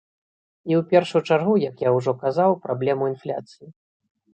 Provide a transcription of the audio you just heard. І ў першую чаргу, як я ўжо казаў, праблему інфляцыі.